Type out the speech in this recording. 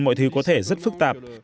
mọi thứ có thể rất phức tạp